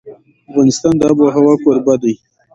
افغانستان د آب وهوا کوربه دی.